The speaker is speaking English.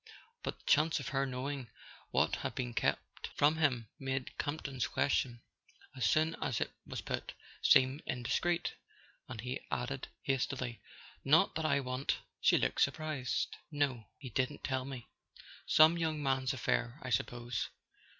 But the chance of her knowing what had been kept from him made Campton's question, as soon as it was put, seem indiscreet, and he added hastily: "Not that I want " She looked surprised. "No: he didn't tell me. Some young man's affair, I suppose.